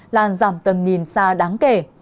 là giảm tầm nhìn xa đáng kể